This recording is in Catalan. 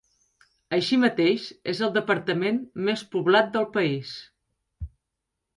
Així mateix, és el departament més poblat del país.